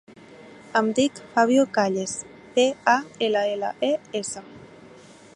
Em dic Fabio Calles: ce, a, ela, ela, e, essa.